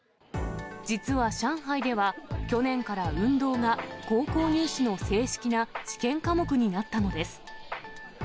実は上海では、去年から運動が高校入試の正式な試験科目になったのです。